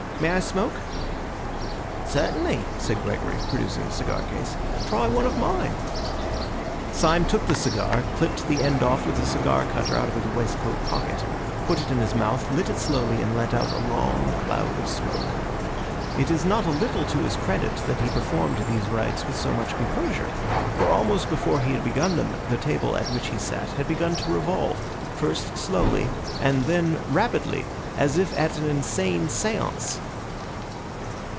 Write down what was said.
May I smoke?" "Certainly!" said Gregory, producing a cigar case. "Try one of mine." Syme took the cigar, clipped the end off with a cigar cutter out of his waistcoat pocket, put it in his mouth, lit it slowly, and let out a long cloud of smoke. It is not a little to his credit that he performed these rites with so much composure, for almost before he had begun them the table at which he sat had begun to revolve, first slowly, and then rapidly, as if at an insane seance.